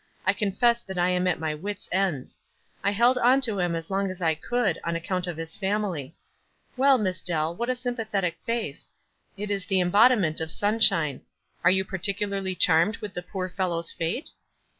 I con fess that I am at my wits' ends. I held on to him as long as T could on account of his family. Well, Miss Dell, what a sympathetic face — it is t lie embodiment of sunshine. Are you par ticularly charmed with the poor fellow's late?"